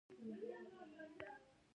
هیڅ مرید یې شاهدي نه شي ورکولای.